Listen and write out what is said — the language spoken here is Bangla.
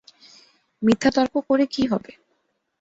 মিথ্যা তর্ক করে কী হবে?